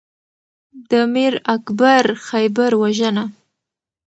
د میر اکبر خیبر وژنه